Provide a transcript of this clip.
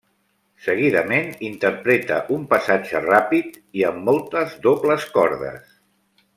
Seguidament interpreta un passatge ràpid i amb moltes dobles cordes.